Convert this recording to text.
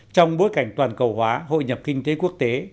trong bối cảnh toàn cầu hóa hội nhập kinh tế quốc tế